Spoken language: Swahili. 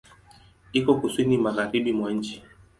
Iko Kusini magharibi mwa nchi.